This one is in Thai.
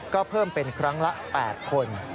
ก็เพิ่มเป็นครั้งละ๘คน